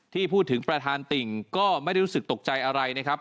ที่พูดถึงประธานติ่งก็ไม่ได้รู้สึกตกใจอะไรนะครับ